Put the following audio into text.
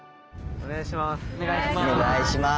お願いします。